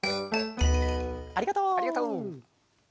ありがとう。